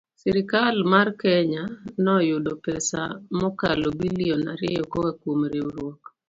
Sirkal mar Kenya noyudo pesa mokalo bilion ariyo koa kuom riwruok